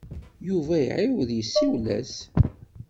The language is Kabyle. Yuba iɛiwed yessiwel-as.